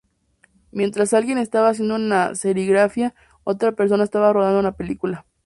Mientras alguien estaba haciendo una serigrafía, otra persona estaba rodando una película.